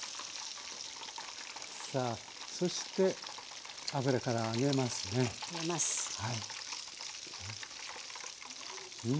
さあそして油から上げますね。